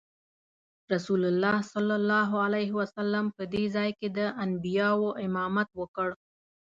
رسول الله صلی الله علیه وسلم په دې ځای کې د انبیاوو امامت وکړ.